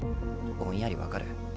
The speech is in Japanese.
ぼんやり分かる。